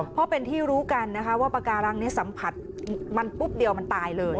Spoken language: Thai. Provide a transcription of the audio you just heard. เพราะเป็นที่รู้กันนะคะว่าปากการังนี้สัมผัสมันปุ๊บเดียวมันตายเลย